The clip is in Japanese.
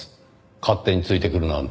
勝手についてくるなんて。